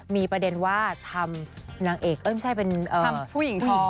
มีประเด็นว่าทำผู้หญิงท้อง